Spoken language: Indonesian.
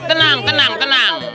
tenang tenang tenang